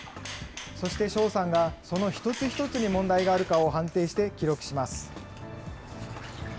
そして正さんがその一つ一つに問題があるかを判定して記録します。